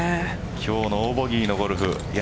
今日ノーボギーのゴルフ。